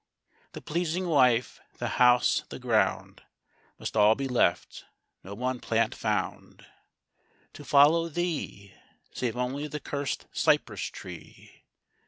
The pleasing wife, the house, the ground Must all be left, no one plant found To follow thee, Save only the curst cypress tree!